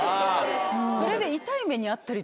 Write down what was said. それで。